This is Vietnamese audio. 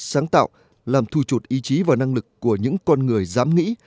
sáng tạo làm thu chuột ý chí và năng lực của những con người dám nghĩ